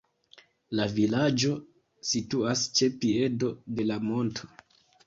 La vilaĝo situas ĉe piedo de la monto.